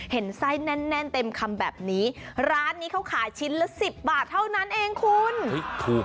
เห็นไส้แน่นแน่นเต็มคำแบบนี้ร้านนี้เขาขายชิ้นละ๑๐บาทเท่านั้นเองคุณ